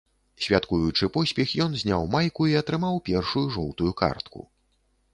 Святкуючы поспех, ён зняў майку і атрымаў першую жоўтую картку.